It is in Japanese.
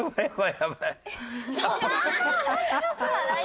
やばい。